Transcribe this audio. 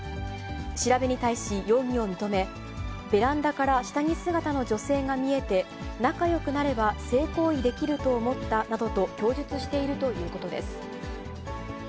調べに対し容疑を認め、ベランダから下着姿の女性が見えて、仲よくなれば性行為できると思ったなどと供述しているということです。